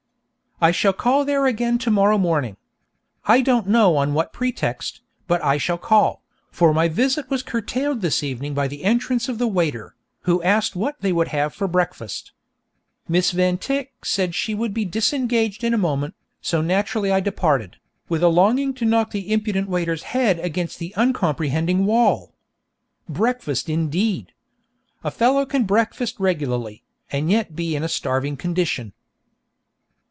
I shall call there again to morrow morning. I don't know on what pretext, but I shall call, for my visit was curtailed this evening by the entrance of the waiter, who asked what they would have for breakfast. Miss Van Tyck said she would be disengaged in a moment, so naturally I departed, with a longing to knock the impudent waiter's head against the uncomprehending wall. Breakfast indeed! A fellow can breakfast regularly, and yet be in a starving condition.